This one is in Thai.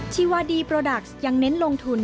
ชีวาดีโปรดักซ์ยังเน้นลงทุน